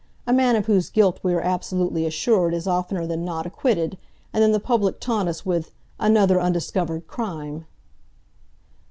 A man of whose guilt we are absolutely assured is oftener than not acquitted, and then the public taunt us with 'another undiscovered crime!